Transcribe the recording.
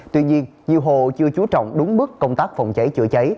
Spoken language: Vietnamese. tuy nhiên nhiều hồ chưa chú trọng đúng mức công tác phòng cháy chữa cháy